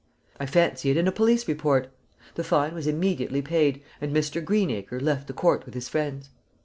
I fancy it in a police report: 'The fine was immediately paid, and Mr. Greenacre left the court with his friends.'